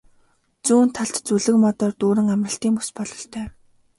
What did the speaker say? Зүүн талд зүлэг модоор дүүрэн амралтын бүс бололтой.